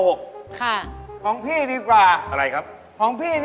หน้าก็ถุงก้วยแข็งยับ